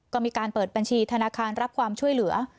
ก็มีการเปิดบัญชีธนาคารรับความช่วยเหลือ